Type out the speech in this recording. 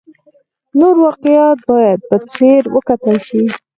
نور واقعیات باید په ځیر وکتل شي.